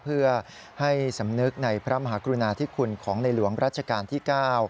เพื่อให้สำนึกในพระมหากรุณาธิคุณของในหลวงรัชกาลที่๙